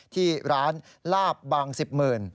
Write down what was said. ที่ร้านลาบบางสิบหมื่น